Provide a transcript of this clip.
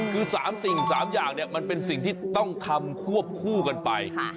คือ๓สิ่ง๓อย่างเนี่ยมันเป็นสิ่งที่ต้องทำควบคู่กันไป